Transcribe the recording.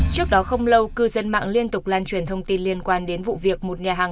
trước đó không lâu cư dân mạng liên tục lan truyền thông tin liên quan đến vụ việc một nhà hàng